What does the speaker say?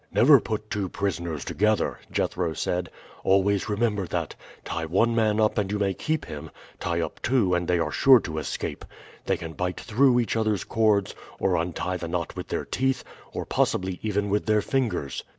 "Never put two prisoners together," Jethro said; "always remember that. Tie one man up and you may keep him; tie up two and they are sure to escape. They can bite through each other's cords, or untie the knot with their teeth, or possibly even with their fingers."